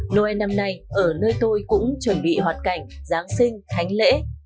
noel năm nay ở nơi tôi cũng chuẩn bị hoạt cảnh giáng sinh thánh lễ